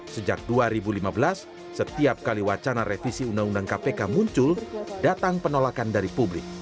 sejak dua ribu lima belas setiap kali wacana revisi undang undang kpk muncul datang penolakan dari publik